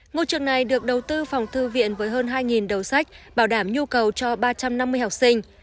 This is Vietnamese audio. ngôi trường này được đầu tư phòng thư viện với hơn hai đầu sách bảo đảm nhu cầu cho ba trăm năm mươi học sinh